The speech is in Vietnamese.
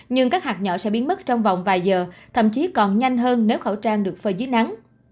nhưng các hạt nhỏ sẽ biến mất trong vòng vài giờ thậm chí còn nhanh hơn nếu khẩu trang được phơi dưới nắng